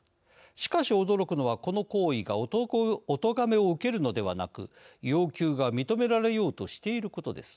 しかし驚くのはこの行為がおとがめを受けるのではなく要求が認められようとしていることです。